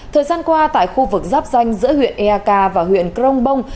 thời gian qua tại khu vực giáp danh giữa huyện eak và huyện cronbong